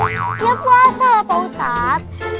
ya puasa pak ustadz